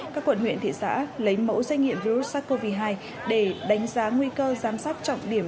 các quận huyện thị xã lấy mẫu xét nghiệm virus sars cov hai để đánh giá nguy cơ giám sát trọng điểm